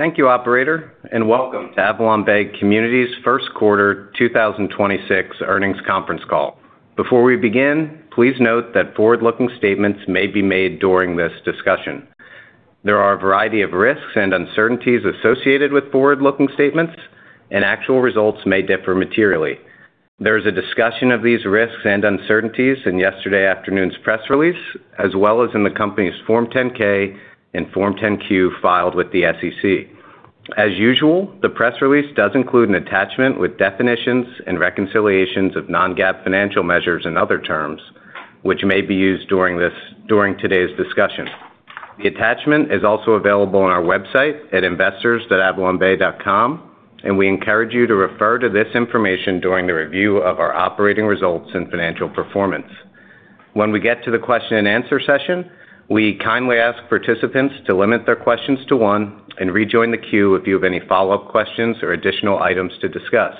Thank you, operator, and welcome to AvalonBay Communities first quarter 2026 earnings conference call. Before we begin, please note that forward-looking statements may be made during this discussion. There are a variety of risks and uncertainties associated with forward-looking statements, and actual results may differ materially. There's a discussion of these risks and uncertainties in yesterday afternoon's press release, as well as in the company's Form 10-K and Form 10-Q filed with the SEC. As usual, the press release does include an attachment with definitions and reconciliations of non-GAAP financial measures and other terms which may be used during today's discussion. The attachment is also available on our website at investors.avalonbay.com, and we encourage you to refer to this information during the review of our operating results and financial performance. When we get to the question-and-answer session, we kindly ask participants to limit their questions to one and rejoin the queue if you have any follow-up questions or additional items to discuss.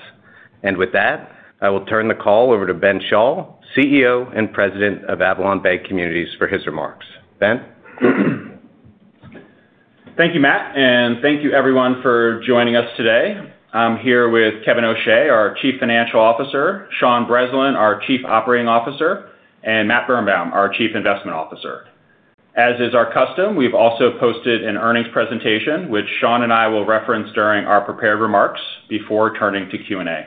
With that, I will turn the call over to Ben Schall, CEO and President of AvalonBay Communities, for his remarks. Benj? Thank you, Matt, and thank you everyone for joining us today. I'm here with Kevin O'Shea, our Chief Financial Officer, Sean Breslin, our Chief Operating Officer, and Matt Birenbaum, our Chief Investment Officer. As is our custom, we've also posted an earnings presentation, which Sean and I will reference during our prepared remarks before turning to Q&A.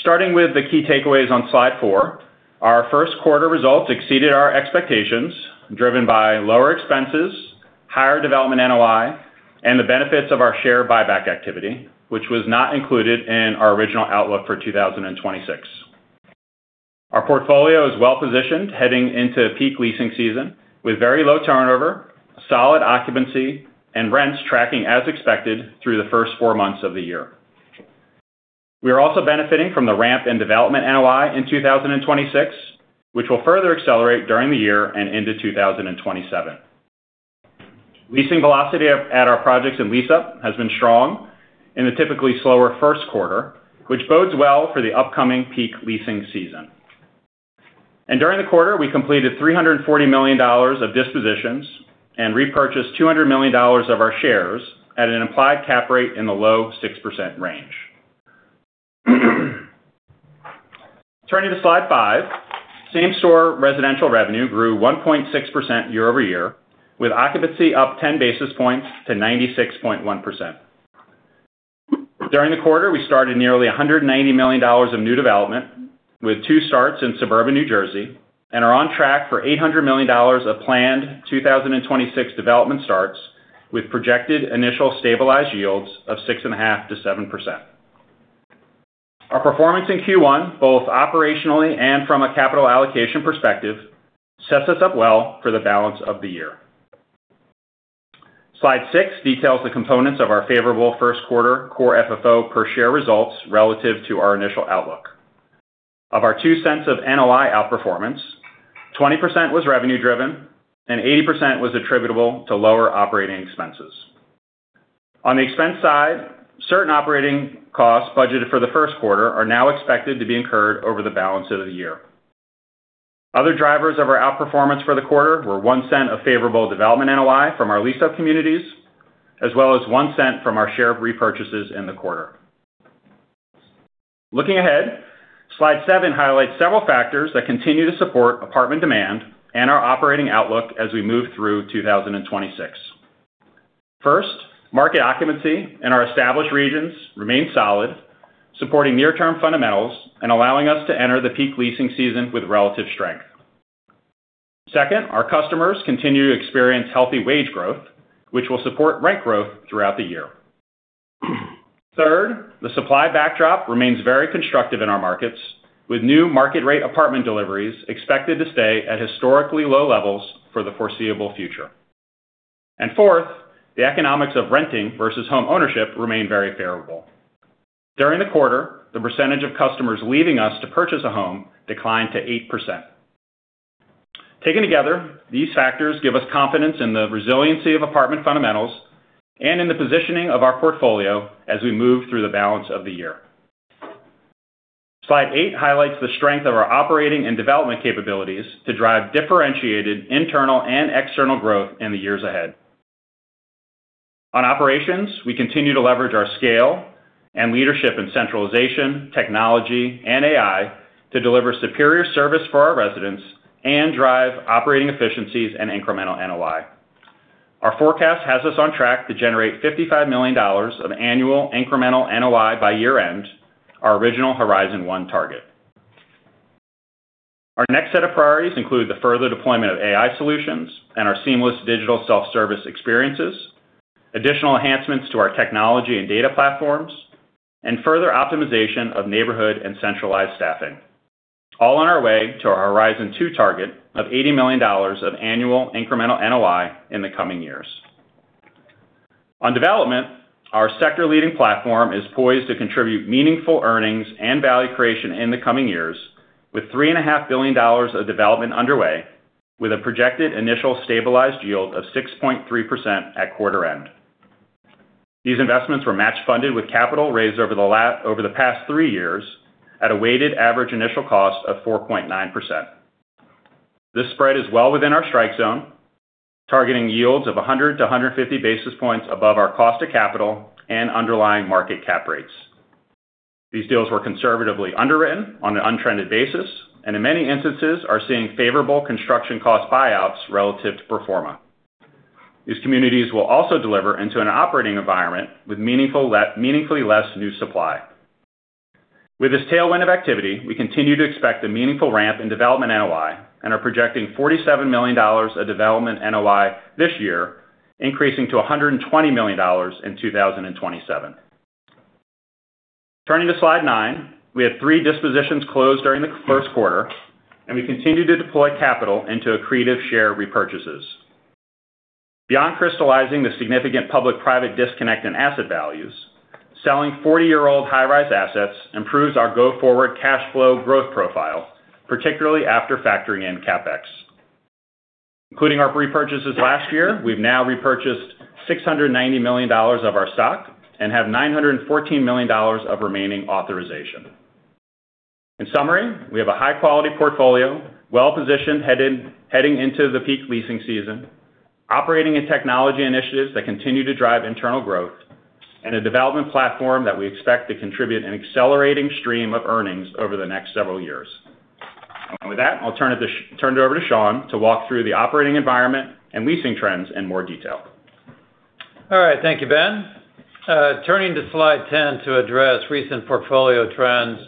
Starting with the key takeaways on slide four, our first quarter results exceeded our expectations, driven by lower expenses, higher development NOI, and the benefits of our share buyback activity, which was not included in our original outlook for 2026. Our portfolio is well-positioned heading into peak leasing season with very low turnover, solid occupancy, and rents tracking as expected through the first four months of the year. We are also benefiting from the ramp in development NOI in 2026, which will further accelerate during the year and into 2027. Leasing velocity at our projects in lease-up has been strong in the typically slower first quarter, which bodes well for the upcoming peak leasing season. During the quarter, we completed $340 million of dispositions and repurchased $200 million of our shares at an implied cap rate in the low 6% range. Turning to slide five, same-store residential revenue grew 1.6% year-over-year, with occupancy up 10 basis points to 96.1%. During the quarter, we started nearly $190 million of new development, with two starts in suburban New Jersey, and are on track for $800 million of planned 2026 development starts, with projected initial stabilized yields of 6.5%-7%. Our performance in Q1, both operationally and from a capital allocation perspective, sets us up well for the balance of the year. Slide six details the components of our favorable first quarter Core FFO per share results relative to our initial outlook. Of our $0.02 of NOI outperformance, 20% was revenue driven and 80% was attributable to lower operating expenses. On the expense side, certain operating costs budgeted for the first quarter are now expected to be incurred over the balance of the year. Other drivers of our outperformance for the quarter were $0.01 of favorable development NOI from our leased up communities, as well as $0.01 from our share repurchases in the quarter. Looking ahead, slide seven highlights several factors that continue to support apartment demand and our operating outlook as we move through 2026. First, market occupancy in our established regions remain solid, supporting near-term fundamentals and allowing us to enter the peak leasing season with relative strength. Second, our customers continue to experience healthy wage growth, which will support rent growth throughout the year. Third, the supply backdrop remains very constructive in our markets, with new market rate apartment deliveries expected to stay at historically low levels for the foreseeable future. fourth, the economics of renting versus home ownership remain very favorable. During the quarter, the percentage of customers leaving us to purchase a home declined to 8%. Taken together, these factors give us confidence in the resiliency of apartment fundamentals and in the positioning of our portfolio as we move through the balance of the year. Slide eight highlights the strength of our operating and development capabilities to drive differentiated internal and external growth in the years ahead. On operations, we continue to leverage our scale and leadership in centralization, technology, and AI to deliver superior service for our residents and drive operating efficiencies and incremental NOI. Our forecast has us on track to generate $55 million of annual incremental NOI by year-end, our original Horizon 1 target. Our next set of priorities include the further deployment of AI solutions and our seamless digital self-service experiences, additional enhancements to our technology and data platforms, and further optimization of neighborhood and centralized staffing, all on our way to our Horizon 2 target of $80 million of annual incremental NOI in the coming years. On development, our sector-leading platform is poised to contribute meaningful earnings and value creation in the coming years with $3.5 billion dollars of development underway with a projected initial stabilized yield of 6.3% at quarter end. These investments were match funded with capital raised over the past three years at a weighted average initial cost of 4.9%. This spread is well within our strike zone, targeting yields of 100 to 150 basis points above our cost of capital and underlying market cap rates. These deals were conservatively underwritten on an untrended basis, and in many instances are seeing favorable construction cost buyouts relative to pro forma. These communities will also deliver into an operating environment with meaningfully less new supply. With this tailwind of activity, we continue to expect a meaningful ramp in development NOI and are projecting $47 million of development NOI this year, increasing to $120 million in 2027. Turning to slide nine. We had three dispositions closed during the first quarter, and we continue to deploy capital into accretive share repurchases. Beyond crystallizing the significant public-private disconnect in asset values, selling 40-year-old high rise assets improves our go forward cash flow growth profile, particularly after factoring in CapEx. Including our repurchases last year, we've now repurchased $690 million of our stock and have $914 million of remaining authorization. In summary, we have a high quality portfolio, well-positioned heading into the peak leasing season, operating and technology initiatives that continue to drive internal growth, and a development platform that we expect to contribute an accelerating stream of earnings over the next several years. With that, I'll turn it over to Sean to walk through the operating environment and leasing trends in more detail. All right. Thank you, Ben. Turning to slide 10 to address recent portfolio trends.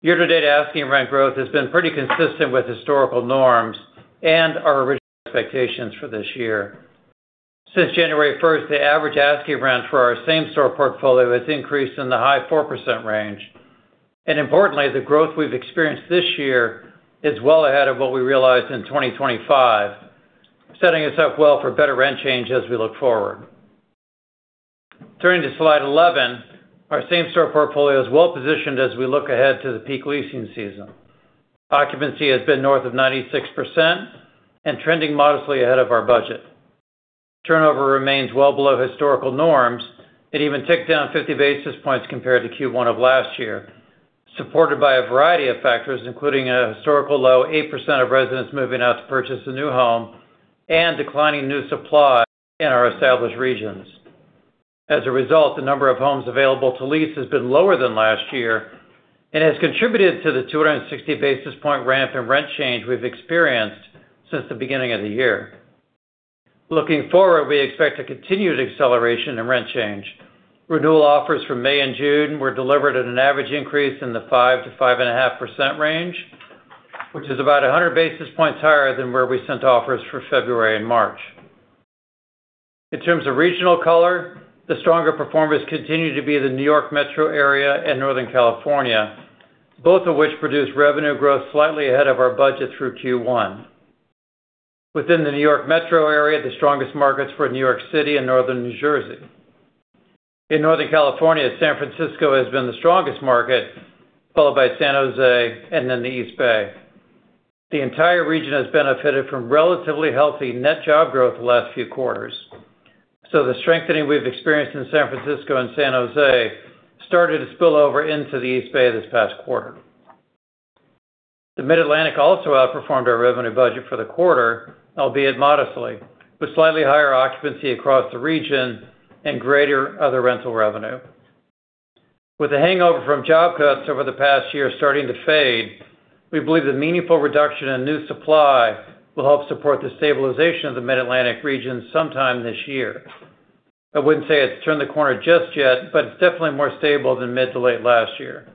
Year-to-date asking rent growth has been pretty consistent with historical norms and our original expectations for this year. Since January 1st, the average asking rent for our same-store portfolio has increased in the high 4% range. Importantly, the growth we've experienced this year is well ahead of what we realized in 2025, setting us up well for better rent change as we look forward. Turning to slide 11. Our same-store portfolio is well positioned as we look ahead to the peak leasing season. Occupancy has been north of 96% and trending modestly ahead of our budget. Turnover remains well below historical norms. It even ticked down 50 basis points compared to Q1 of last year, supported by a variety of factors, including a historical low 8% of residents moving out to purchase a new home and declining new supply in our established regions. As a result, the number of homes available to lease has been lower than last year and has contributed to the 260 basis point ramp in rent change we've experienced since the beginning of the year. Looking forward, we expect a continued acceleration in rent change. Renewal offers from May and June were delivered at an average increase in the 5%-5.5% range, which is about 100 basis points higher than where we sent offers for February and March. In terms of regional color, the stronger performers continue to be the New York Metro area and Northern California, both of which produced revenue growth slightly ahead of our budget through Q1. Within the New York Metro area, the strongest markets were New York City and Northern New Jersey. In Northern California, San Francisco has been the strongest market, followed by San Jose and then the East Bay. The strengthening we've experienced in San Francisco and San Jose started to spill over into the East Bay this past quarter. The Mid-Atlantic also outperformed our revenue budget for the quarter, albeit modestly, with slightly higher occupancy across the region and greater other rental revenue. With the hangover from job cuts over the past year starting to fade, we believe the meaningful reduction in new supply will help support the stabilization of the Mid-Atlantic region sometime this year. I wouldn't say it's turned the corner just yet, but it's definitely more stable than mid to late last year.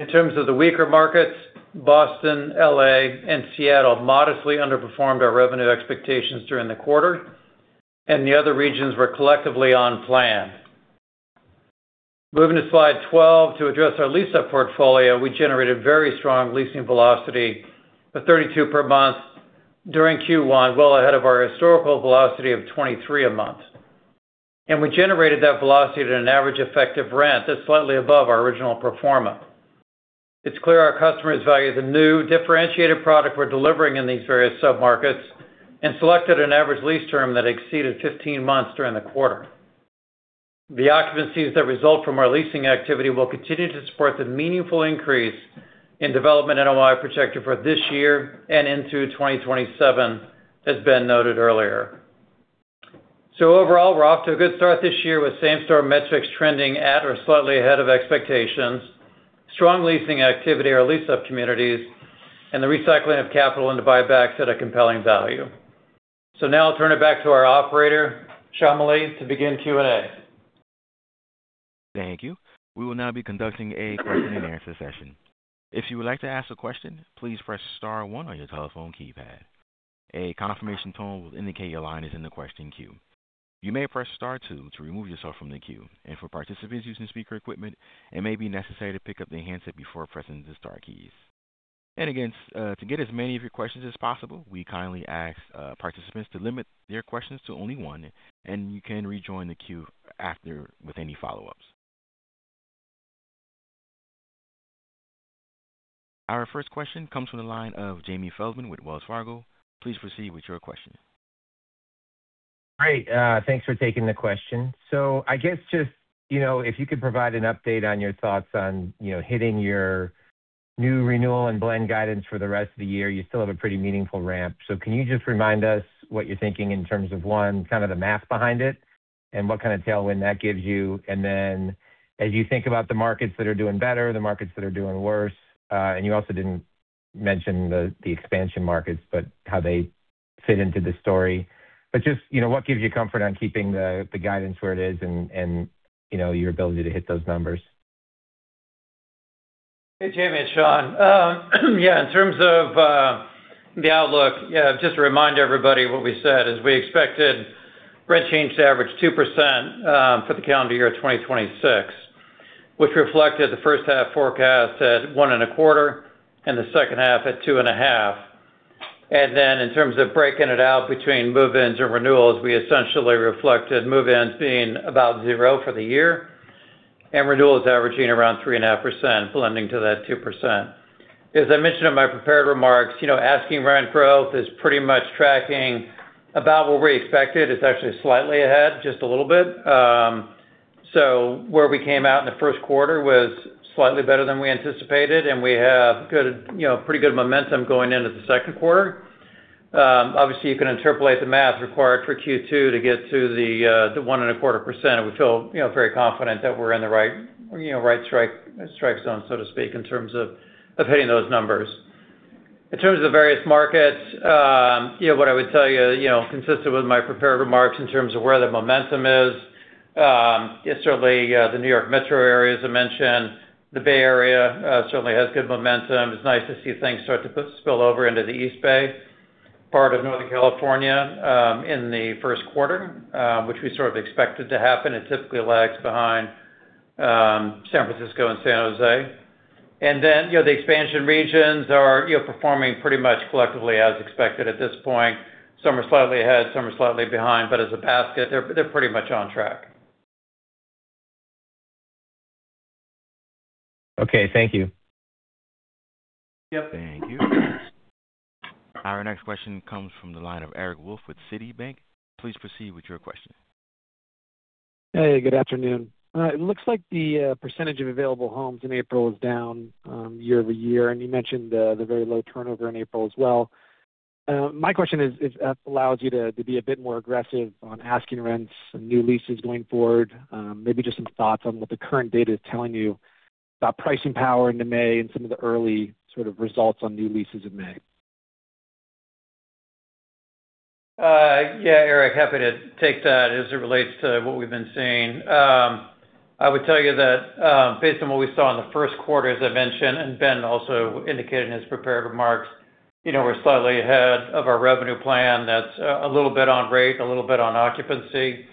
In terms of the weaker markets, Boston, L.A., and Seattle modestly underperformed our revenue expectations during the quarter, and the other regions were collectively on plan. Moving to slide 12 to address our lease-up portfolio. We generated very strong leasing velocity of 32 per month during Q1, well ahead of our historical velocity of 23 a month. We generated that velocity at an average effective rent that's slightly above our original pro forma. It's clear our customers value the new differentiated product we're delivering in these various sub-markets and selected an average lease term that exceeded 15 months during the quarter. The occupancies that result from our leasing activity will continue to support the meaningful increase in development NOI projected for this year and into 2027, as Ben noted earlier. Overall, we're off to a good start this year with same-store metrics trending at or slightly ahead of expectations, strong leasing activity at our lease-up communities, and the recycling of capital into buybacks at a compelling value. Now I'll turn it back to our operator, Shamali, to begin Q&A. Thank you. We will now be conducting a question and answer session. If you would like to ask a question, please press star one on your telephone keypad. A confirmation tone will indicate your line is in the question queue. You may press star two to remove yourself from the queue. For participants using speaker equipment, it may be necessary to pick up the handset before pressing the star keys. Again, to get as many of your questions as possible, we kindly ask participants to limit their questions to only one, and you can rejoin the queue after with any follow-ups. Our first question comes from the line of Jamie Feldman with Wells Fargo. Please proceed with your question. Great. Thanks for taking the question. I guess just, you know, if you could provide an update on your thoughts on, you know, hitting your new renewal and blend guidance for the rest of the year. You still have a pretty meaningful ramp. Can you just remind us what you're thinking in terms of, one, kind of the math behind it and what kind of tailwind that gives you? Then as you think about the markets that are doing better, the markets that are doing worse, and you also didn't mention the expansion markets, but how they fit into the story. Just, you know, what gives you comfort on keeping the guidance where it is and, you know, your ability to hit those numbers. Hey, Jamie, it's Sean. In terms of the outlook, just to remind everybody what we said is we expected rent change to average 2% for the calendar year 2026, which reflected the first half forecast at 1.25% and the second half at 2.5%. Then in terms of breaking it out between move-ins and renewals, we essentially reflected move-ins being about zero for the year and renewals averaging around 3.5%, blending to that 2%. As I mentioned in my prepared remarks, asking rent growth is pretty much tracking about what we expected. It's actually slightly ahead just a little bit. Where we came out in the first quarter was slightly better than we anticipated, and we have good, pretty good momentum going into the second quarter. Obviously, you can interpolate the math required for Q2 to get to the 1.25%, and we feel, you know, very confident that we're in the right, you know, right strike zone, so to speak, in terms of hitting those numbers. In terms of the various markets, you know, what I would tell you know, consistent with my prepared remarks in terms of where the momentum is, it's certainly the New York Metro area, as I mentioned. The Bay Area certainly has good momentum. It's nice to see things start to spill over into the East Bay part of Northern California in the first quarter, which we sort of expected to happen. It typically lags behind San Francisco and San Jose. You know, the expansion regions are, you know, performing pretty much collectively as expected at this point. Some are slightly ahead, some are slightly behind, but as a basket, they're pretty much on track. Okay. Thank you. Yep. Thank you. Our next question comes from the line of Eric Wolfe with Citi. Please proceed with your question. Hey, good afternoon. It looks like the percentage of available homes in April is down year-over-year, and you mentioned the very low turnover in April as well. My question is, if that allows you to be a bit more aggressive on asking rents and new leases going forward. Maybe just some thoughts on what the current data is telling you about pricing power into May and some of the early sort of results on new leases in May. Yeah, Eric, happy to take that as it relates to what we've been seeing. I would tell you that, based on what we saw in the first quarter, as I mentioned, and Ben also indicated in his prepared remarks, you know, we're slightly ahead of our revenue plan. That's a little bit on rate, a little bit on occupancy.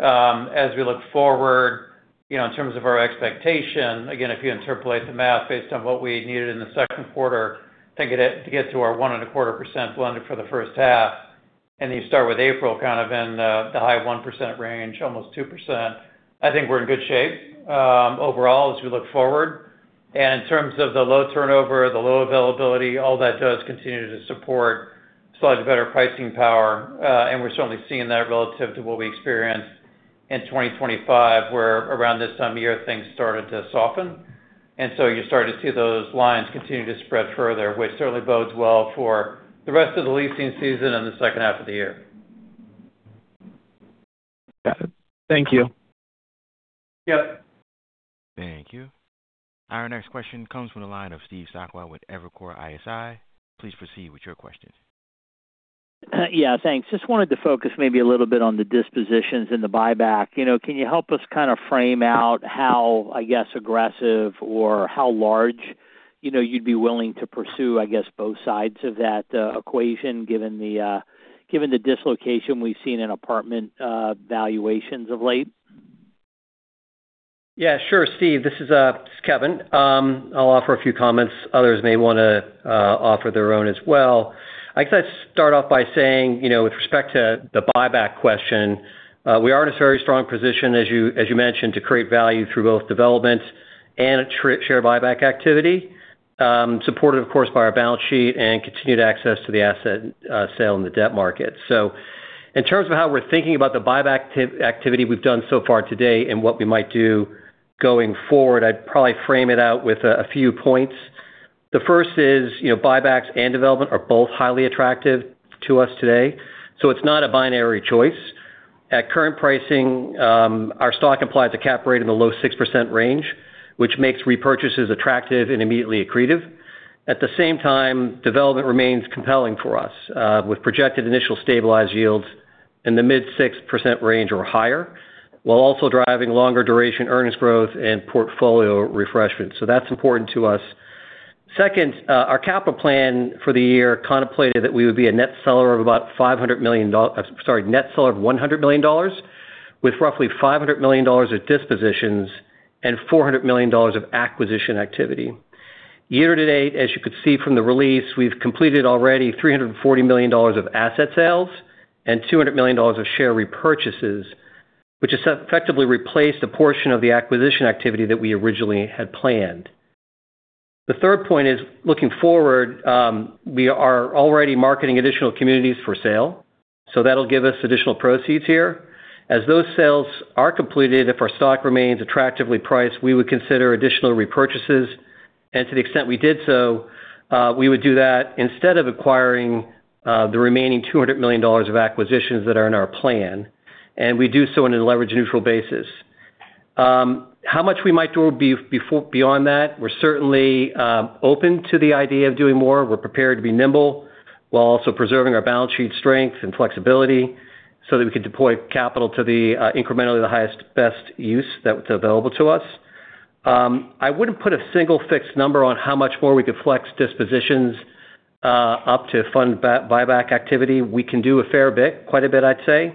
As we look forward, you know, in terms of our expectation, again, if you interpolate the math based on what we needed in the second quarter to get to our 1.25% blended for the first half, and you start with April kind of in the high 1% range, almost 2%, I think we're in good shape overall as we look forward. In terms of the low turnover, the low availability, all that does continue to support slightly better pricing power. We're certainly seeing that relative to what we experienced in 2025, where around this time of year, things started to soften. You're starting to see those lines continue to spread further, which certainly bodes well for the rest of the leasing season in the second half of the year. Got it. Thank you. Yep. Thank you. Our next question comes from the line of Steve Sakwa with Evercore ISI. Please proceed with your question. Yeah. Thanks. Just wanted to focus maybe a little bit on the dispositions and the buyback. You know, can you help us kind of frame out how, I guess, aggressive or how large, you know, you'd be willing to pursue, I guess, both sides of that equation, given the given the dislocation we've seen in apartment valuations of late? Yeah, sure, Steve. This is Kevin. I'll offer a few comments. Others may wanna offer their own as well. I guess I'd start off by saying, you know, with respect to the buyback question, we are in a very strong position, as you mentioned, to create value through both development and share buyback activity, supported of course by our balance sheet and continued access to the asset sale in the debt market. In terms of how we're thinking about the buyback activity we've done so far today and what we might do going forward, I'd probably frame it out with a few points. The first is, you know, buybacks and development are both highly attractive to us today, so it's not a binary choice. At current pricing, our stock implies a cap rate in the low 6% range, which makes repurchases attractive and immediately accretive. At the same time, development remains compelling for us, with projected initial stabilized yields in the mid-6% range or higher, while also driving longer duration earnings growth and portfolio refreshment. That's important to us. Second, our capital plan for the year contemplated that we would be a net seller of $100 million, with roughly $500 million of dispositions and $400 million of acquisition activity. Year-to-date, as you could see from the release, we've completed already $340 million of asset sales and $200 million of share repurchases, which has effectively replaced a portion of the acquisition activity that we originally had planned. The third point is looking forward, we are already marketing additional communities for sale. That'll give us additional proceeds here. As those sales are completed, if our stock remains attractively priced, we would consider additional repurchases. To the extent we did so, we would do that instead of acquiring the remaining $200 million of acquisitions that are in our plan. We do so in a leverage-neutral basis. How much we might do beyond that, we're certainly open to the idea of doing more. We're prepared to be nimble while also preserving our balance sheet strength and flexibility so that we can deploy capital to the incrementally the highest, best use that's available to us. I wouldn't put a single fixed number on how much more we could flex dispositions up to fund buyback activity. We can do a fair bit, quite a bit, I'd say.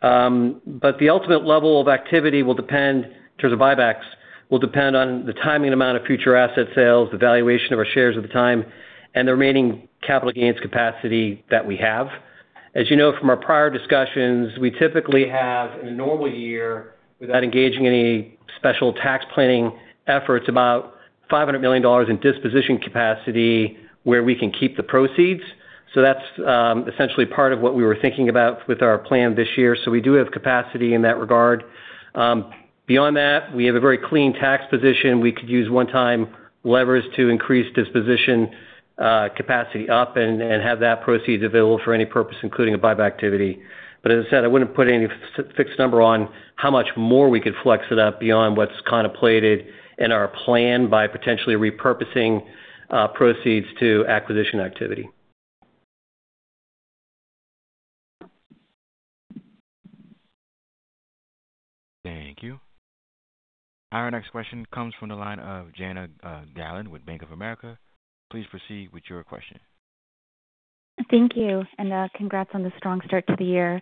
The ultimate level of activity will depend, in terms of buybacks, will depend on the timing amount of future asset sales, the valuation of our shares at the time, and the remaining capital gains capacity that we have. As you know from our prior discussions, we typically have, in a normal year, without engaging any special tax planning efforts, about $500 million in disposition capacity where we can keep the proceeds. That's essentially part of what we were thinking about with our plan this year. We do have capacity in that regard. Beyond that, we have a very clean tax position. We could use one-time levers to increase disposition capacity up and have that proceed available for any purpose, including a buyback activity. As I said, I wouldn't put any fixed number on how much more we could flex it up beyond what's contemplated in our plan by potentially repurposing proceeds to acquisition activity. Thank you. Our next question comes from the line of Jana Galan with Bank of America. Please proceed with your question. Thank you. Congrats on the strong start to the year.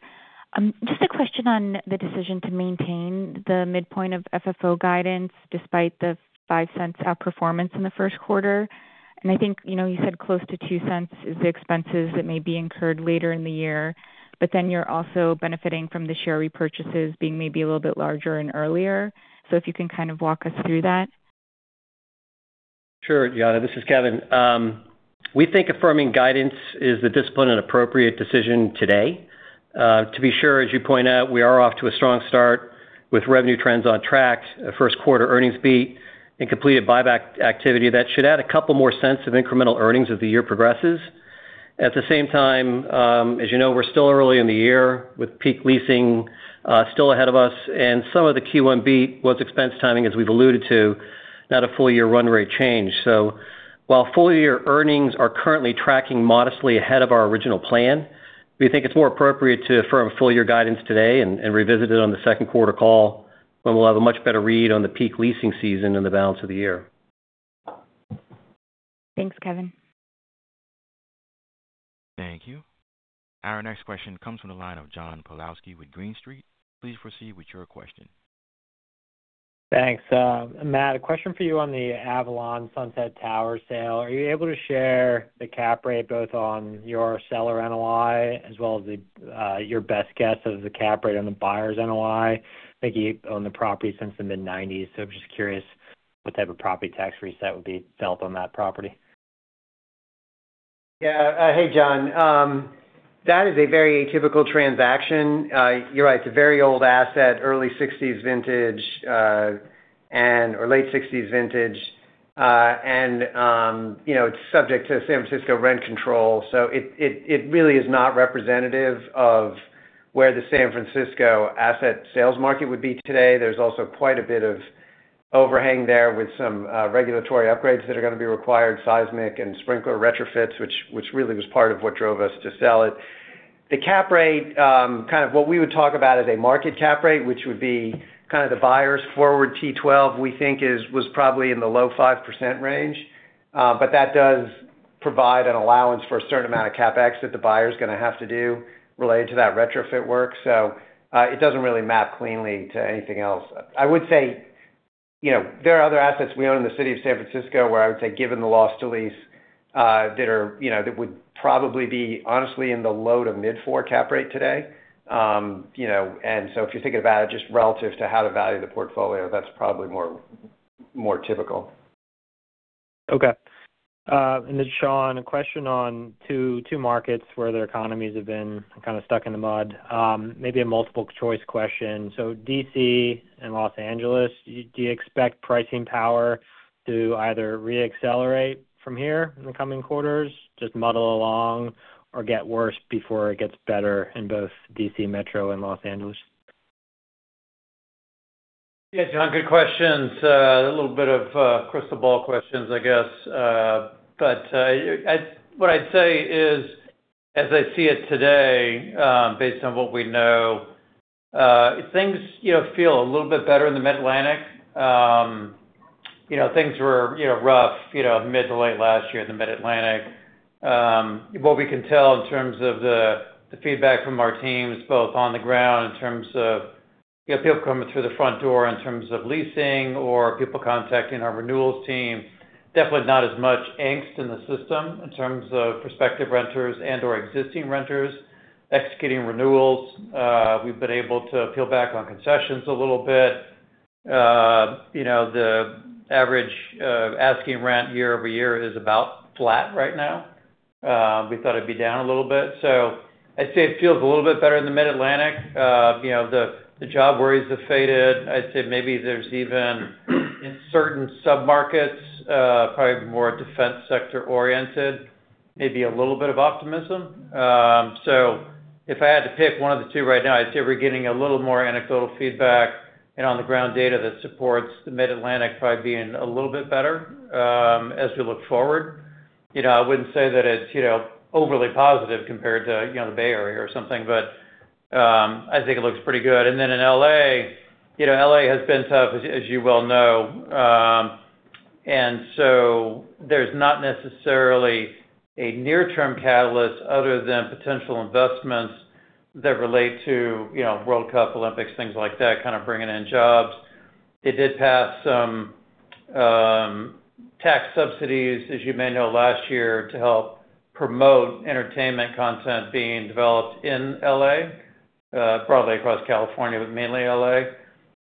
Just a question on the decision to maintain the midpoint of FFO guidance despite the $0.05 outperformance in the first quarter. I think, you know, you said close to $0.02 is the expenses that may be incurred later in the year, you're also benefiting from the share repurchases being maybe a little bit larger and earlier. If you can kind of walk us through that. Sure, Jana. This is Kevin. We think affirming guidance is the disciplined and appropriate decision today. To be sure, as you point out, we are off to a strong start with revenue trends on track, a first quarter earnings beat, and completed buyback activity that should add a couple more cents of incremental earnings as the year progresses. At the same time, as you know, we're still early in the year with peak leasing still ahead of us, and some of the Q1 beat was expense timing, as we've alluded to, not a full-year run rate change. While full-year earnings are currently tracking modestly ahead of our original plan, we think it's more appropriate to affirm full-year guidance today and revisit it on the second quarter call when we'll have a much better read on the peak leasing season and the balance of the year. Thanks, Kevin. Thank you. Our next question comes from the line of John Pawlowski with Green Street. Please proceed with your question. Thanks. Matt, a question for you on the Avalon Sunset Towers sale. Are you able to share the cap rate both on your seller NOI as well as your best guess as the cap rate on the buyer's NOI? I think you owned the property since the mid-1990s, I'm just curious what type of property tax reset would be felt on that property. Yeah. Hey, John. That is a very atypical transaction. You're right, it's a very old asset, early 1960s vintage or late 1960s vintage. You know, it really is not representative of where the San Francisco asset sales market would be today. There's also quite a bit of overhang there with some regulatory upgrades that are gonna be required, seismic and sprinkler retrofits, which really was part of what drove us to sell it. The cap rate, kind of what we would talk about is a market cap rate, which would be kind of the buyer's forward T12 we think was probably in the low 5% range. That does provide an allowance for a certain amount of CapEx that the buyer's gonna have to do related to that retrofit work. It doesn't really map cleanly to anything else. I would say, you know, there are other assets we own in the city of San Francisco where I would say, given the loss to lease, that are, you know, that would probably be honestly in the low-to-mid 4% cap rate today. You know, if you think about it just relative to how to value the portfolio, that's probably more, more typical. Okay. Sean, a question on two markets where their economies have been kind of stuck in the mud. Maybe a multiple choice question. D.C. and Los Angeles, do you expect pricing power to either reaccelerate from here in the coming quarters, just muddle along, or get worse before it gets better in both D.C. Metro and Los Angeles? Yeah, John, good questions. A little bit of crystal ball questions, I guess. What I'd say is, as I see it today, based on what we know, things, you know, feel a little bit better in the Mid-Atlantic. You know, things were, you know, rough, you know, mid to late last year in the Mid-Atlantic. What we can tell in terms of the feedback from our teams, both on the ground in terms of, you know, people coming through the front door in terms of leasing or people contacting our renewals team, definitely not as much angst in the system in terms of prospective renters and/or existing renters. Executing renewals. We've been able to peel back on concessions a little bit. You know, the average asking rent year-over-year is about flat right now. We thought it'd be down a little bit. I'd say it feels a little bit better in the Mid-Atlantic. You know, the job worries have faded. I'd say maybe there's even, in certain sub-markets, probably more defense sector-oriented, maybe a little bit of optimism. If I had to pick one of the two right now, I'd say we're getting a little more anecdotal feedback and on-the-ground data that supports the Mid-Atlantic probably being a little bit better as we look forward. You know, I wouldn't say that it's, you know, overly positive compared to, you know, the Bay Area or something, but I think it looks pretty good. In L.A., you know, L.A. has been tough, as you well know. There's not necessarily a near-term catalyst other than potential investments that relate to, you know, World Cup, Olympics, things like that, kind of bringing in jobs. They did pass some tax subsidies, as you may know, last year to help promote entertainment content being developed in L.A., broadly across California, but mainly L.A.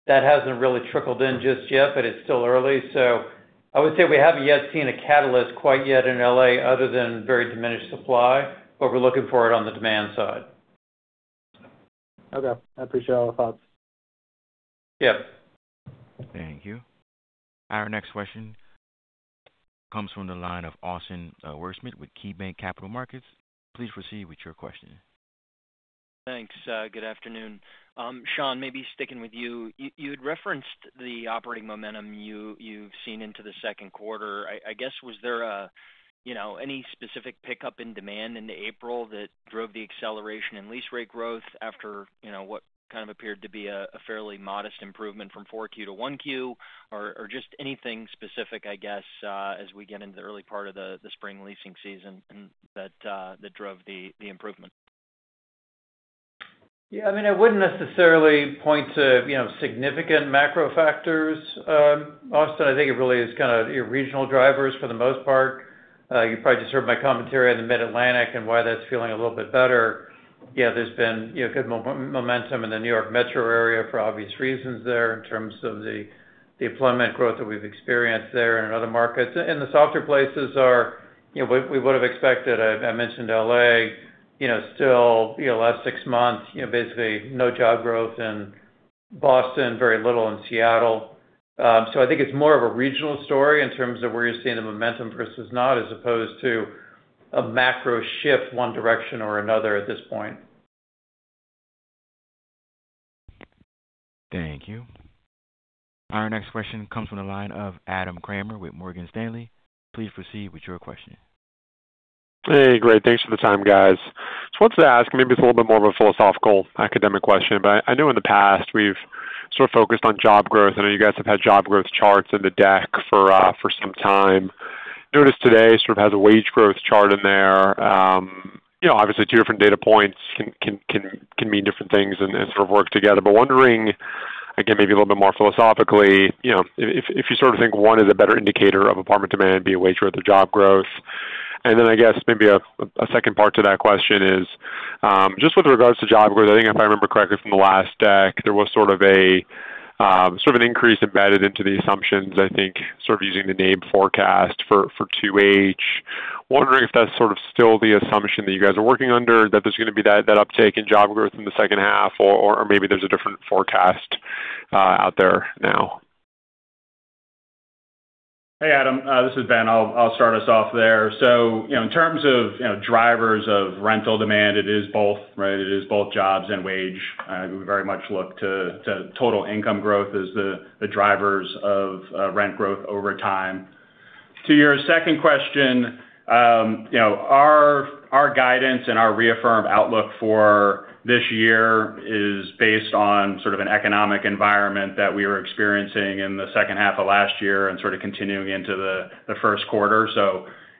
That hasn't really trickled in just yet, but it's still early. I would say we haven't yet seen a catalyst quite yet in L.A. other than very diminished supply, but we're looking for it on the demand side. Okay. I appreciate all the thoughts. Yeah. Thank you. Our next question comes from the line of Austin Wurschmidt with KeyBanc Capital Markets. Please proceed with your question. Thanks. Good afternoon. Sean, maybe sticking with you. You had referenced the operating momentum you've seen into the second quarter. I guess, was there a, you know, any specific pickup in demand into April that drove the acceleration in lease rate growth after, you know, what kind of appeared to be a fairly modest improvement from 4Q to 1Q or just anything specific, I guess, as we get into the early part of the spring leasing season and that drove the improvement? Yeah, I mean, I wouldn't necessarily point to, you know, significant macro factors, Austin. I think it really is kind of your regional drivers for the most part. You probably just heard my commentary on the Mid-Atlantic and why that's feeling a little bit better. Yeah, there's been, you know, good momentum in the New York Metro area for obvious reasons there in terms of the employment growth that we've experienced there and in other markets. The softer places are, you know, we would've expected, I mentioned L.A., you know, still, you know, last six months, you know, basically no job growth in Boston, very little in Seattle. I think it's more of a regional story in terms of where you're seeing the momentum versus not, as opposed to a macro shift one direction or another at this point. Thank you. Our next question comes from the line of Adam Kramer with Morgan Stanley. Please proceed with your question. Hey, great. Thanks for the time, guys. Just wanted to ask, maybe it's a little bit more of a philosophical, academic question, but I know in the past, we've sort of focused on job growth. I know you guys have had job growth charts in the deck for some time. Notice today sort of has a wage growth chart in there. You know, obviously two different data points can mean different things and sort of work together. Wondering, again, maybe a little bit more philosophically, you know, if you sort of think one is a better indicator of apartment demand, be it wage growth or job growth. I guess maybe a second part to that question is, just with regards to job growth, I think if I remember correctly from the last deck, there was sort of a, sort of an increase embedded into the assumptions, I think sort of using the NABE forecast for 2H. Wondering if that's sort of still the assumption that you guys are working under, that there's gonna be that uptake in job growth in the second half or maybe there's a different forecast out there now? Hey, Adam, this is Ben. I'll start us off there. You know, in terms of, you know, drivers of rental demand, it is both, right? It is both jobs and wage. We very much look to total income growth as the drivers of rent growth over time. To your second question, you know, our guidance and our reaffirmed outlook for this year is based on sort of an economic environment that we were experiencing in the second half of last year and sort of continuing into the first quarter.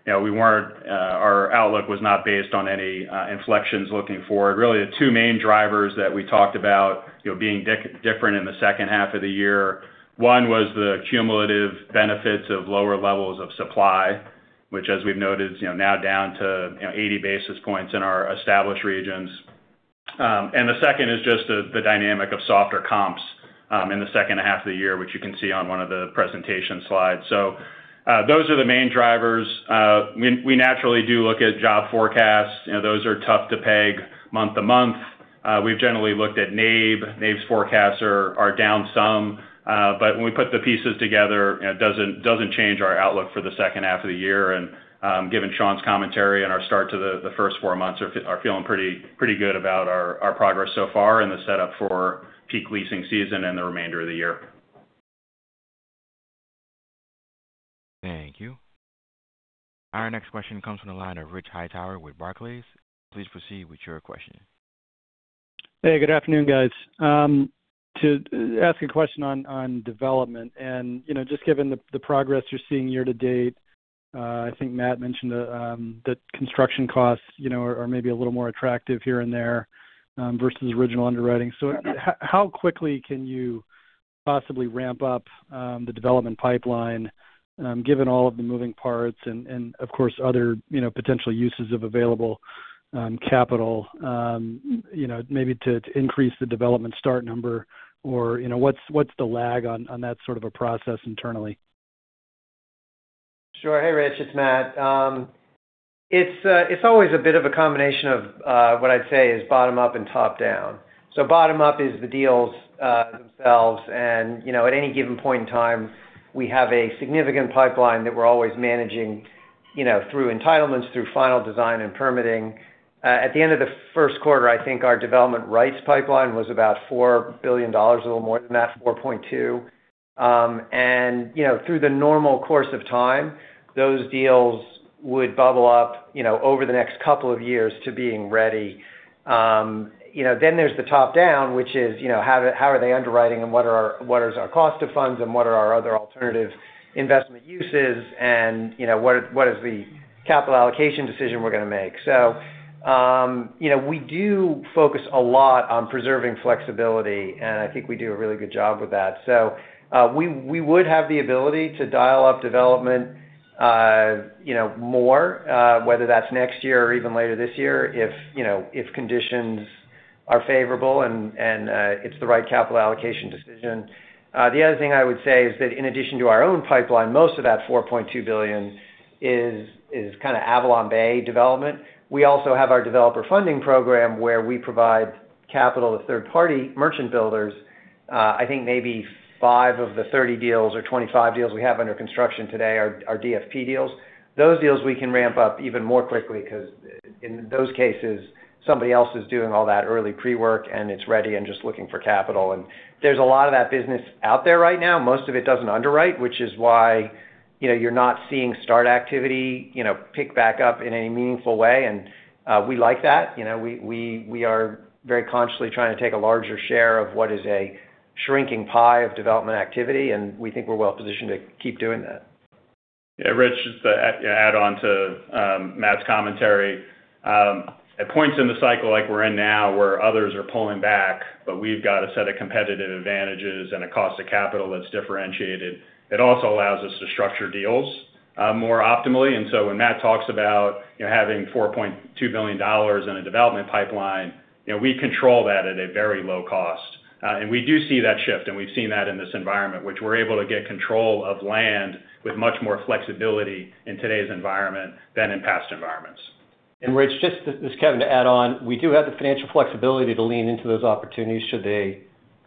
You know, we weren't, our outlook was not based on any inflections looking forward. Really the two main drivers that we talked about, you know, being different in the second half of the year, one was the cumulative benefits of lower levels of supply, which as we've noted, is, you know, now down to, you know, 80 basis points in our established regions. The second is just the dynamic of softer comps in the second half of the year, which you can see on one of the presentation slides. Those are the main drivers. We naturally do look at job forecasts. You know, those are tough to peg month to month. We've generally looked at NABE. NABE's forecasts are down some. When we put the pieces together, it doesn't change our outlook for the second half of the year. Given Sean's commentary and our start to the first four months are feeling pretty good about our progress so far and the setup for peak leasing season and the remainder of the year. Thank you. Our next question comes from the line of Rich Hightower with Barclays. Please proceed with your question. Hey, good afternoon, guys. To ask a question on development and, you know, just given the progress you're seeing year-to-date, I think Matt mentioned that construction costs, you know, are maybe a little more attractive here and there versus original underwriting. How quickly can you possibly ramp up the development pipeline given all of the moving parts and of course, other, you know, potential uses of available capital, you know, maybe to increase the development start number or, you know, what's the lag on that sort of a process internally? Sure. Hey, Rich, it's Matt. It's always a bit of a combination of what I'd say is bottom-up and top-down. Bottom-up is the deals themselves. You know, at any given point in time, we have a significant pipeline that we're always managing, you know, through entitlements, through final design and permitting. At the end of the first quarter, I think our development rights pipeline was about $4 billion, a little more than that, $4.2 billion. You know, through the normal course of time, those deals would bubble up, you know, over the next couple of years to being ready. You know, then there's the top-down, which is, you know, how are they underwriting and what is our cost of funds and what are our other alternative investment uses and, you know, what is the capital allocation decision we're gonna make? You know, we do focus a lot on preserving flexibility, and I think we do a really good job with that. We would have the ability to dial up development, you know, more, whether that's next year or even later this year if, you know, if conditions are favorable and it's the right capital allocation decision. The other thing I would say is that in addition to our own pipeline, most of that $4.2 billion is kind of AvalonBay development. We also have our Developer Funding Program where we provide capital to third-party merchant builders. I think maybe five of the 30 deals or 25 deals we have under construction today are DFP deals. Those deals we can ramp up even more quickly because in those cases, somebody else is doing all that early pre-work and it's ready and just looking for capital. There's a lot of that business out there right now. Most of it doesn't underwrite, which is why, you know, you're not seeing start activity, you know, pick back up in any meaningful way, we like that. You know, we are very consciously trying to take a larger share of what is a shrinking pie of development activity, we think we're well-positioned to keep doing that. Yeah, Rich, just to add on to Matt's commentary. At points in the cycle like we're in now where others are pulling back, but we've got a set of competitive advantages and a cost of capital that's differentiated, it also allows us to structure deals more optimally. When Matt talks about, you know, having $4.2 billion in a development pipeline, you know, we control that at a very low cost. We do see that shift, and we've seen that in this environment, which we're able to get control of land with much more flexibility in today's environment than in past environments. Rich, just Kevin to add on. We do have the financial flexibility to lean into those opportunities should they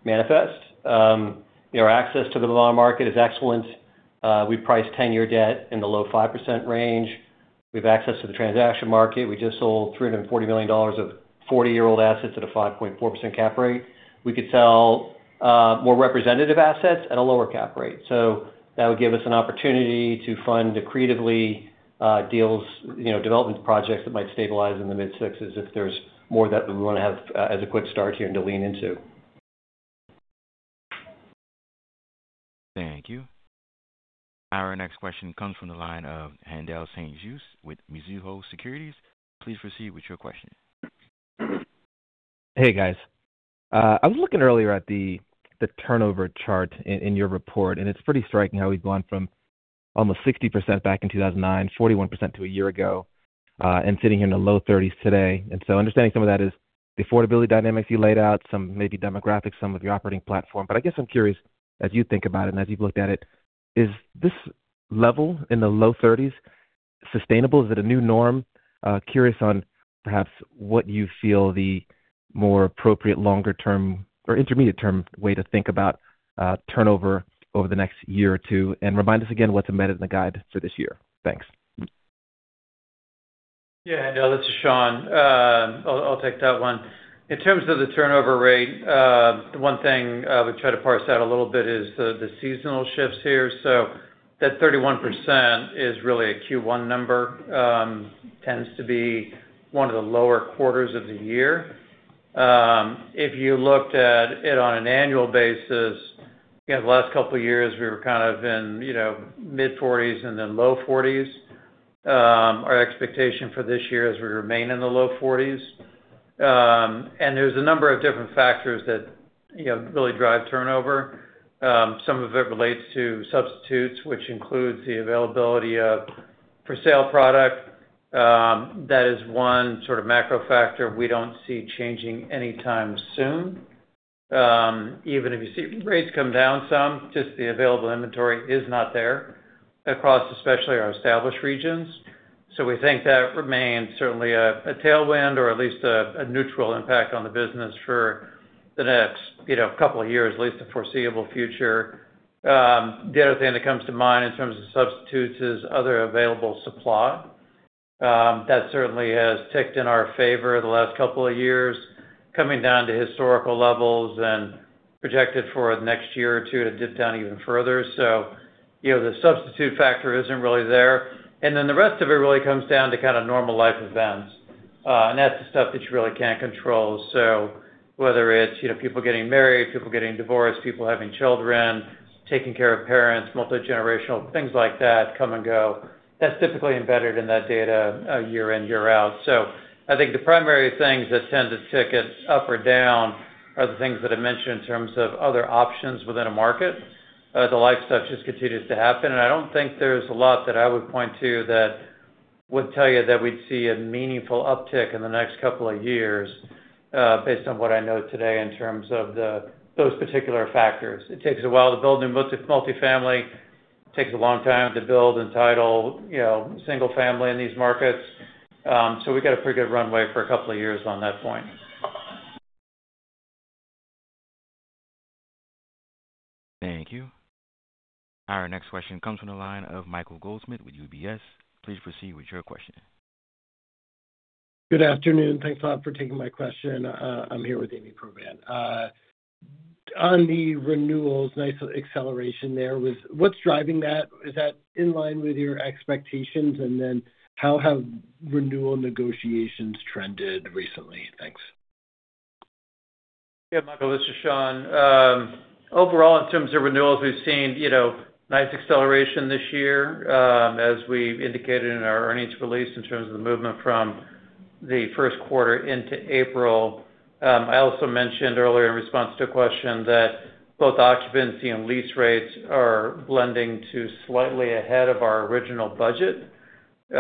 manifest. You know, our access to the loan market is excellent. We price 10-year debt in the low 5% range. We have access to the transaction market. We just sold $340 million of 40-year-old assets at a 5.4% cap rate. We could sell more representative assets at a lower cap rate. That would give us an opportunity to fund accretively deals, you know, development projects that might stabilize in the mid-60s if there's more of that that we wanna have as a quick start here and to lean into. Thank you. Our next question comes from the line of Haendel St. Juste with Mizuho Securities. Please proceed with your question. Hey, guys. I was looking earlier at the turnover chart in your report. It's pretty striking how we've gone from almost 60% back in 2009, 41% a year ago, and sitting here in the low-30s today. Understanding some of that is the affordability dynamics you laid out, some may be demographics, some of your operating platform. I guess I'm curious, as you think about it and as you've looked at it, is this level in the low-30s sustainable? Is it a new norm? Curious on perhaps what you feel the more appropriate longer-term or intermediate term way to think about turnover over the next year or two. Remind us again what's amended in the guide for this year. Thanks. Yeah. No, this is Sean. I'll take that one. In terms of the turnover rate, the one thing I would try to parse out a little bit is the seasonal shifts here. That 31% is really a Q1 number. Tends to be one of the lower quarters of the year. If you looked at it on an annual basis, you know, the last couple of years we were kind of in, you know, mid-40s and then low-40s. Our expectation for this year is we remain in the low-40s. There's a number of different factors that, you know, really drive turnover. Some of it relates to substitutes, which includes the availability of for sale product. That is one sort of macro factor we don't see changing anytime soon. Even if you see rates come down some, just the available inventory is not there across especially our established regions. We think that remains certainly a tailwind or at least a neutral impact on the business for the next, you know, couple of years, at least the foreseeable future. The other thing that comes to mind in terms of substitutes is other available supply. That certainly has ticked in our favor the last couple of years, coming down to historical levels and projected for the next year or two to dip down even further. You know, the substitute factor isn't really there. The rest of it really comes down to kind of normal life events. That's the stuff that you really can't control. Whether it's people getting married, people getting divorced, people having children, taking care of parents, multi-generational, things like that come and go. That's typically embedded in that data, year in, year out. I think the primary things that tend to tick it up or down are the things that I mentioned in terms of other options within a market, the life stuff just continues to happen. I don't think there's a lot that I would point to that would tell you that we'd see a meaningful uptick in the next couple of years, based on what I know today in terms of those particular factors. It takes a while to build new multifamily. Takes a long time to build and title single-family in these markets. We got a pretty good runway for couple of years on that point. Thank you. Our next question comes from the line of Michael Goldsmith with UBS. Please proceed with your question. Good afternoon. Thanks a lot for taking my question. I'm here withAmy Pevsner. On the renewals, nice acceleration there. What's driving that? Is that in line with your expectations? How have renewal negotiations trended recently? Thanks. Michael, this is Sean. Overall, in terms of renewals, we've seen, you know, nice acceleration this year, as we indicated in our earnings release in terms of the movement from the first quarter into April. I also mentioned earlier in response to a question that both occupancy and lease rates are blending to slightly ahead of our original budget. You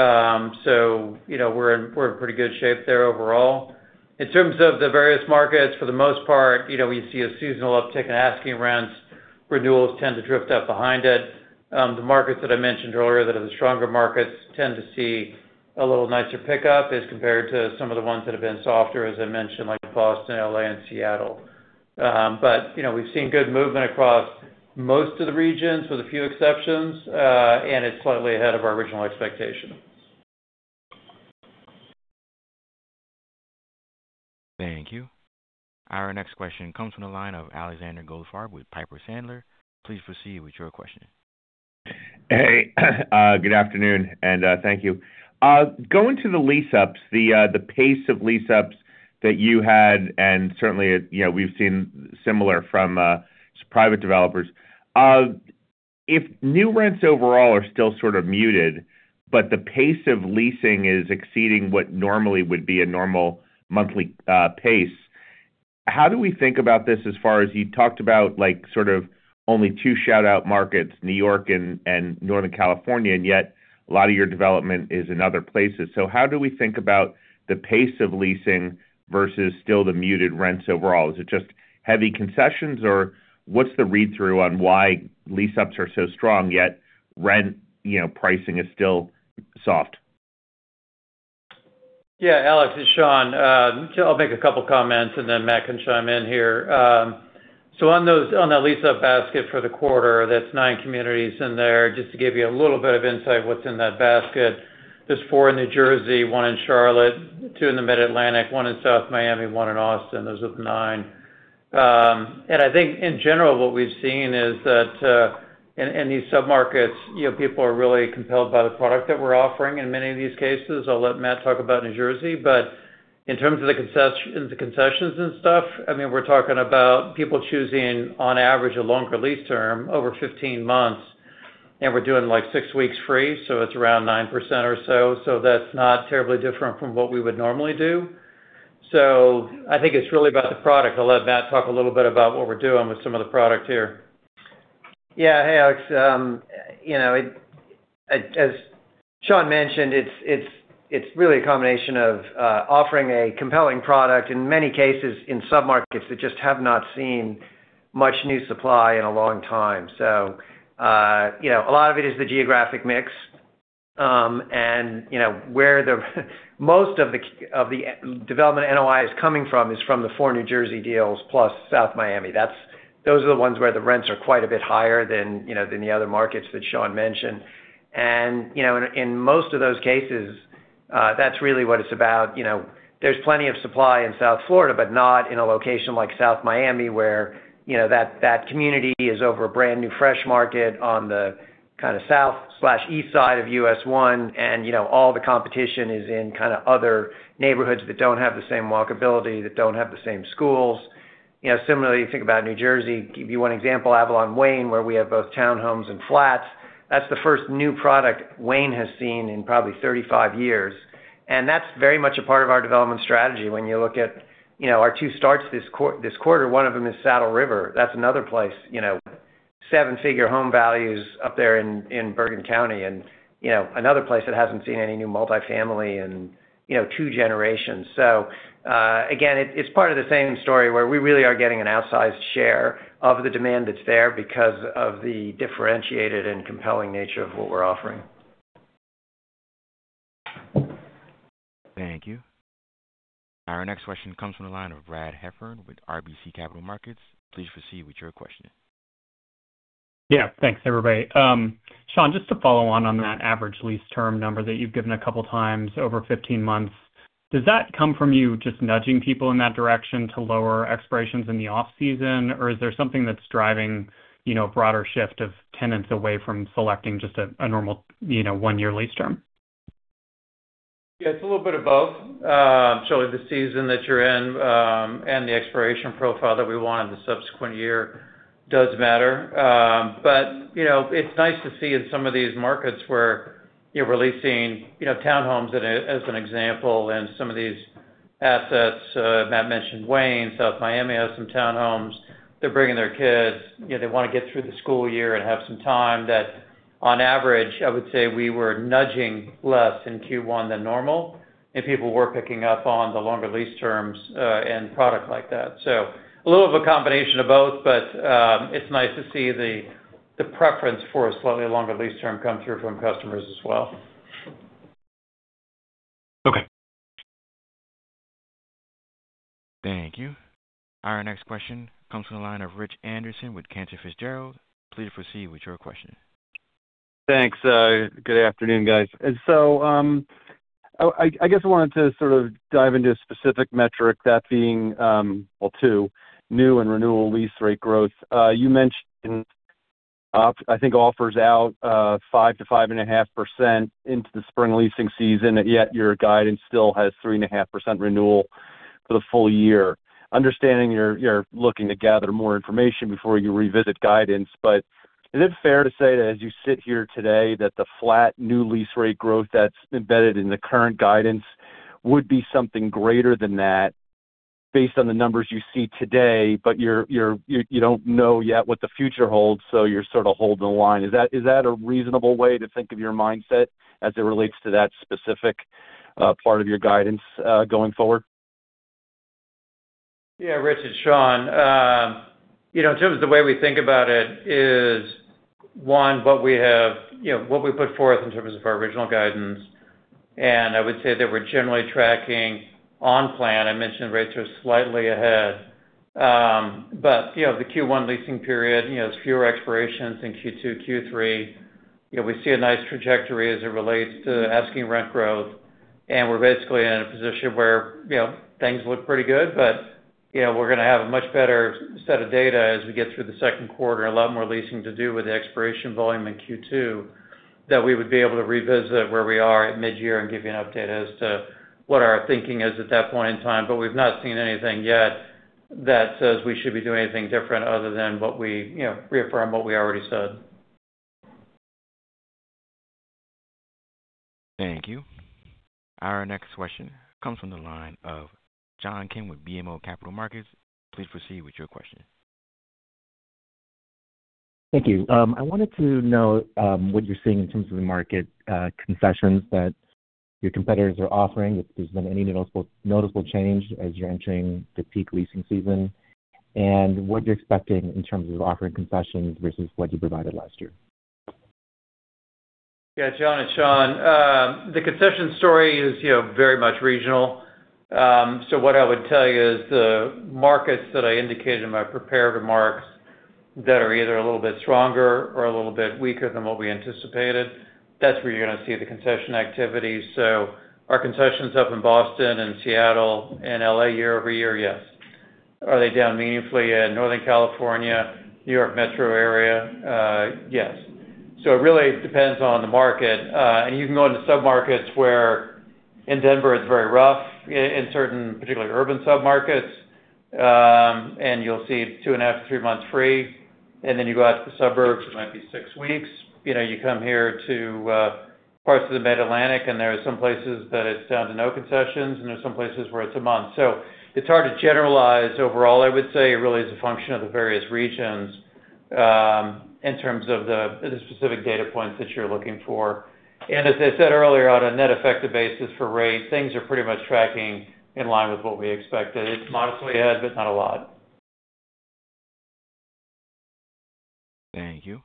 know, we're in pretty good shape there overall. In terms of the various markets, for the most part, you know, we see a seasonal uptick in asking rents. Renewals tend to drift up behind it. The markets that I mentioned earlier that are the stronger markets tend to see a little nicer pickup as compared to some of the ones that have been softer, as I mentioned, like Boston, L.A., and Seattle. You know, we've seen good movement across most of the regions, with a few exceptions, and it's slightly ahead of our original expectation. Thank you. Our next question comes from the line of Alexander Goldfarb with Piper Sandler. Please proceed with your question. Hey, good afternoon, and thank you. Going to the lease-ups, the pace of lease-ups that you had, and certainly, you know, we've seen similar from private developers. If new rents overall are still sort of muted, but the pace of leasing is exceeding what normally would be a normal monthly pace, how do we think about this as far as you talked about, like, sort of only two shout-out markets, New York and Northern California, and yet a lot of your development is in other places. How do we think about the pace of leasing versus still the muted rents overall? Is it just heavy concessions or what's the read-through on why lease-ups are so strong, yet rent, you know, pricing is still soft? Alex, it's Sean. I'll make a couple comments and then Matt can chime in here. On that lease-up basket for the quarter, that's nine communities in there. Just to give you a little bit of insight what's in that basket. There's four in New Jersey, one in Charlotte, two in the Mid-Atlantic, one in South Miami, one in Austin. Those are the nine. I think in general, what we've seen is that in these submarkets, you know, people are really compelled by the product that we're offering in many of these cases. I'll let Matt talk about New Jersey. In terms of the concession, the concessions and stuff, I mean, we're talking about people choosing, on average, a longer lease term over 15 months, and we're doing, like, six weeks free, so it's around 9% or so. That's not terribly different from what we would normally do. I think it's really about the product. I'll let Matt talk a little bit about what we're doing with some of the product here. Yeah. Hey, Alex. you know, as Sean mentioned, it's really a combination of offering a compelling product, in many cases, in submarkets that just have not seen much new supply in a long time. you know, a lot of it is the geographic mix. you know, where most of the development NOI is coming from is from the four New Jersey deals plus South Miami. Those are the ones where the rents are quite a bit higher than, you know, than the other markets that Sean mentioned. you know, in most of those cases, that's really what it's about. You know, there's plenty of supply in South Florida, but not in a location like South Miami, where, you know, that community is over a brand-new The Fresh Market on the kinda south/east side of U.S. Route 1. You know, all the competition is in kinda other neighborhoods that don't have the same walkability, that don't have the same schools. You know, similarly, you think about New Jersey. Give you one example, Avalon Wayne, where we have both townhomes and flats. That's the first new product Wayne has seen in probably 35 years. That's very much a part of our development strategy. When you look at, you know, our two starts this quarter, one of them is Saddle River. That's another place, you know, seven-figure home values up there in Bergen County and, you know, another place that hasn't seen any new multifamily in, you know two generations. Again, it's part of the same story where we really are getting an outsized share of the demand that's there because of the differentiated and compelling nature of what we're offering. Thank you. Our next question comes from the line of Brad Heffern with RBC Capital Markets. Please proceed with your question. Yeah. Thanks, everybody. Sean, just to follow on that average lease term number that you've given a couple times over 15 months, does that come from you just nudging people in that direction to lower expirations in the off-season, or is there something that's driving, you know, a broader shift of tenants away from selecting just a normal, you know, one-year lease term? It's a little bit of both. The season that you're in, and the expiration profile that we want in the subsequent year does matter. You know, it's nice to see in some of these markets we're, you know, releasing, you know, townhomes as an example, and some of these assets. Matt mentioned Wayne. South Miami has some townhomes. They're bringing their kids. You know, they wanna get through the school year and have some time that on average, I would say we were nudging less in Q1 than normal, and people were picking up on the longer lease terms and product like that. A little of a combination of both, but it's nice to see the preference for a slightly longer lease term come through from customers as well. Okay. Thank you. Our next question comes from the line of Rich Anderson with Cantor Fitzgerald. Please proceed with your question. Thanks. Good afternoon, guys. I guess I wanted to sort of dive into a specific metric, that being, well, two, new and renewal lease rate growth. You mentioned, I think offers out, 5%-5.5% into the spring leasing season, and yet your guidance still has 3.5% renewal for the full year. Understanding you're looking to gather more information before you revisit guidance, but is it fair to say that as you sit here today, that the flat new lease rate growth that's embedded in the current guidance would be something greater than that based on the numbers you see today, but you don't know yet what the future holds, so you're sorta holding the line? Is that a reasonable way to think of your mindset as it relates to that specific part of your guidance going forward? Yeah, Rich, it's Sean. You know, in terms of the way we think about it is, one, what we have, you know, what we put forth in terms of our original guidance, I would say that we're generally tracking on plan. I mentioned rates are slightly ahead. The Q1 leasing period, you know, has fewer expirations than Q2, Q3. You know, we see a nice trajectory as it relates to asking rent growth, we're basically in a position where, you know, things look pretty good. You know, we're gonna have a much better set of data as we get through the second quarter, a lot more leasing to do with the expiration volume in Q2, that we would be able to revisit where we are at midyear and give you an update as to what our thinking is at that point in time. We've not seen anything yet that says we should be doing anything different other than what we, you know, reaffirm what we already said. Thank you. Our next question comes from the line of John Kim with BMO Capital Markets. Please proceed with your question. Thank you. I wanted to know what you're seeing in terms of the market concessions that your competitors are offering, if there's been any noticeable change as you're entering the peak leasing season? What you're expecting in terms of offering concessions versus what you provided last year? Yeah. John, it's Sean. The concession story is, you know, very much regional. What I would tell you is the markets that I indicated in my prepared remarks that are either a little bit stronger or a little bit weaker than what we anticipated, that's where you're gonna see the concession activity. Are concessions up in Boston and Seattle and L.A. year-over-year? Yes. Are they down meaningfully in Northern California, New York Metro area? Yes. It really depends on the market. You can go into submarkets where in Denver it's very rough in certain particularly urban submarkets, and you'll see 2.5 to three months free. You go out to the suburbs, it might be six weeks. You know, you come here to parts of the Mid-Atlantic, and there are some places that it's down to no concessions, and there are some places where it's one month. It's hard to generalize. Overall, I would say it really is a function of the various regions in terms of the specific data points that you're looking for. As I said earlier, on a net effective basis for rate, things are pretty much tracking in line with what we expected. It's modestly ahead, but not a lot. Thank you.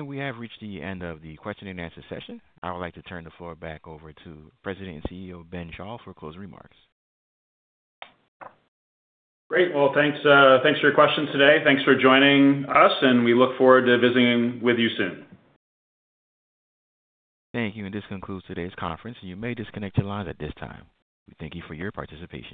We have reached the end of the question and answer session. I would like to turn the floor back over to President and CEO, Ben Schall, for closing remarks. Great. Well, thanks for your questions today. Thanks for joining us. We look forward to visiting with you soon. Thank you. This concludes today's conference. You may disconnect your lines at this time. We thank you for your participation.